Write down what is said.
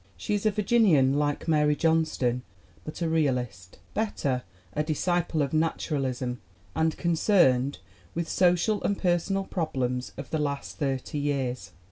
She is a Vir ginian, like Mary Johnston, but a realist bet ter, a disciple of naturalism and concerned with social and personal problems of the last thirty years.